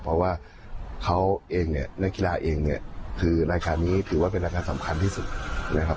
เพราะว่าเขาเองเนี่ยนักกีฬาเองเนี่ยคือรายการนี้ถือว่าเป็นรายการสำคัญที่สุดนะครับ